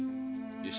よし。